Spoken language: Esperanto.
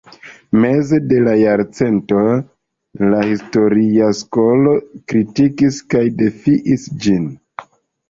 Meze de la jarcento la historia skolo kritikis kaj defiis ĝin.